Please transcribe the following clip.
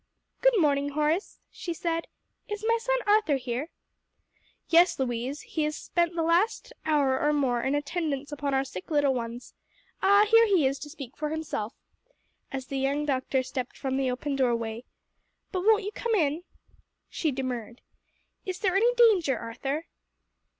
"Good morning, Horace," she said. "Is my son Arthur here?" "Yes, Louise, he has spent the last hour or more in attendance upon our sick little ones. Ah, here he is to speak for himself!" as the young doctor stepped from the open doorway. "But won't you come in?" She demurred. "Is there any danger, Arthur?"